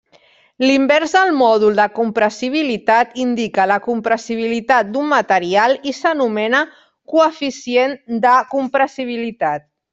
L'invers del mòdul de compressibilitat indica la compressibilitat d'un material i s'anomena coeficient de compressibilitat.